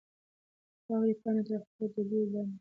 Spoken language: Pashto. واورې پاڼه تر خپلو دلیو لاندې کړه.